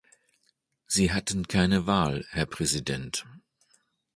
Sie hatten keine Wahl, Herr Präsident.